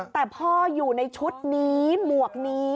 แต่พ่ออยู่ในชุดนี้หมวกนี้